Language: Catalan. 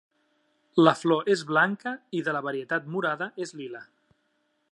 La flor és blanca i de la varietat morada és lila.